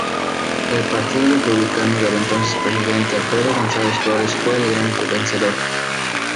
El Partido Republicano del entonces presidente Alfredo González Flores fue el gran vencedor.